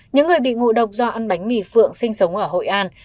những người bị ngộ độc do ăn bánh mì phượng sinh sống ở hội an